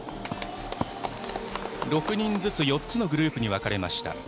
６人ずつ、４つのグループに分かれました。